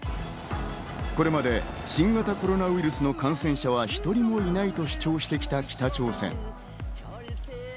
これまで新型コロナウイルスの感染者は一人もいないと主張してきた北朝鮮。